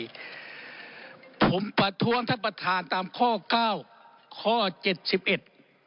ครับครับครับครับครับครับครับครับครับครับครับครับครับครับครับครับ